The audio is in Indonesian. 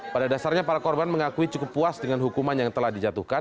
pada dasarnya para korban mengakui cukup puas dengan hukuman yang telah dijatuhkan